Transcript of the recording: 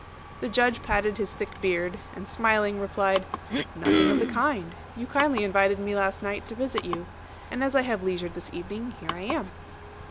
The Judge parted his thick beard, and smiling, replied, "Nothing of the kind. You kindly invited me last night to visit you; and as I have leisure this evening, here I am."